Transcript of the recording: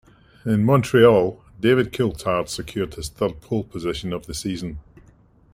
In Montreal, David Coulthard secured his third pole position of the season.